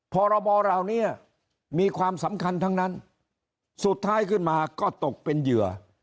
พรบเหล่านี้มีความสำคัญทั้งนั้นสุดท้ายขึ้นมาก็ตกเป็นเหยื่อ